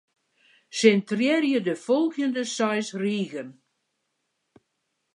Sintrearje de folgjende seis rigen.